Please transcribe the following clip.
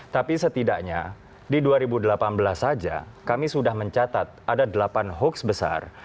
tapi setidaknya di dua ribu delapan belas saja kami sudah mencatat ada delapan hoax besar